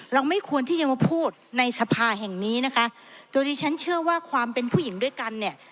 ไม่ควรที่จะมาพูดในสภาแห่งนี้นะคะโดยที่ฉันเชื่อว่าความเป็นผู้หญิงด้วยกันเนี่ย